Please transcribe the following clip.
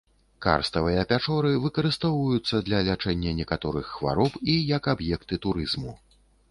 Карставыя пячоры выкарыстоўваюцца для лячэння некаторых хвароб і як аб'екты турызму.